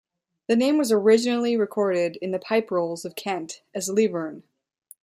The name was originally recorded in the Pipe Rolls of Kent as "Leburn".